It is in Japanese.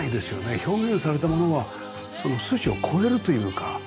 表現されたものがその数値を超えるというか。